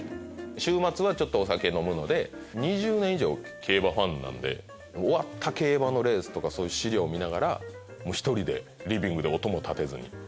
週末はちょっとお酒飲むので２０年以上競馬ファンなんで終わった競馬のレースとかそういう資料を見ながら１人でリビングで音も立てずに。